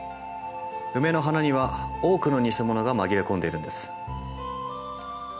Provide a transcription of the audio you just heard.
ウメの花には多くのニセモノが紛れ込んでいるんです。